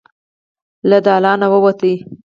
له دالانه ووت.